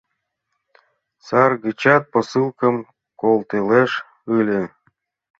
Сар гычат посылкым колтылеш ыле.